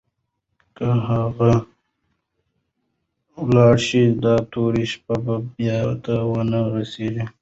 که هغه لاړه شي، دا توره شپه به پای ته ونه رسېږي.